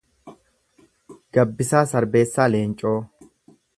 Gabbisaa Sarbeessaa Leencoo